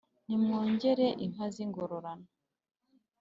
nimwongere inka z’ingororano